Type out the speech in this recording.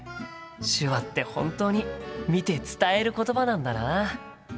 手話って本当に見て伝えることばなんだな。